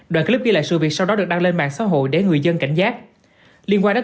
đoạn clip ghi lại sự việc sau đó được đăng lên mạng xã hội để người dân cảnh giác